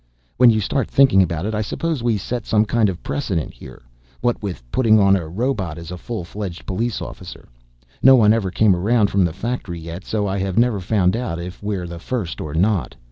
When you start thinking about it, I suppose we set some kind of precedent here. What with putting on a robot as a full fledged police officer. No one ever came around from the factory yet, so I have never found out if we're the first or not.